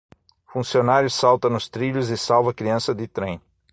Funcionário salta nos trilhos e salva criança de trem